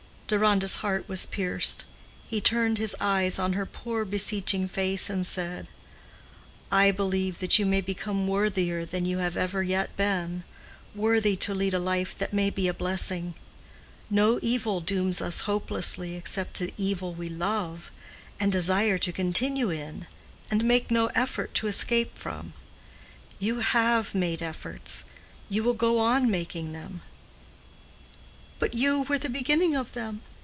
Deronda's heart was pierced. He turned his eyes on her poor beseeching face and said, "I believe that you may become worthier than you have ever yet been—worthy to lead a life that may be a blessing. No evil dooms us hopelessly except the evil we love, and desire to continue in, and make no effort to escape from. You have made efforts—you will go on making them." "But you were the beginning of them.